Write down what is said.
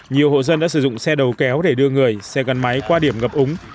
nhiều hộ dân đã sử dụng xe đầu kéo để đưa người xe gắn máy qua điểm ngập úng